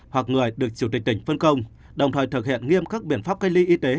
hoặc người được chủ tịch tỉnh phân công đồng thời thực hiện nghiêm các biện pháp cách ly y tế